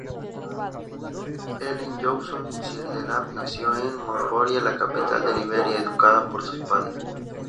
Ellen Johnson-Sirleaf nació en Monrovia, la capital de Liberia, educada por sus padres.